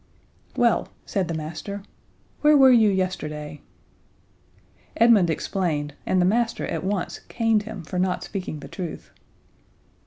"Well," said the master, "where were you yesterday?" Edmund explained, and the master at once caned him for not speaking the truth.